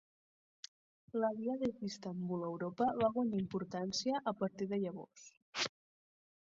La via des d'Istanbul a Europa va guanyar importància a partir de llavors.